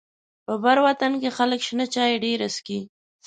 په بر وطن کې خلک شنه چای ډيره څکي.